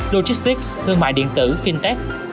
logistics thương mại điện tử fintech